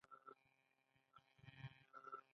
پښتونولي زموږ څه شی دی؟